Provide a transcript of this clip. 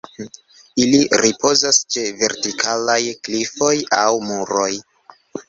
Ili ripozas ĉe vertikalaj klifoj aŭ muroj.